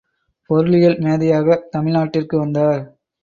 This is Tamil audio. பொருளியல் மேதையாகத் தமிழ்நாட்டிற்கு வந்தார்.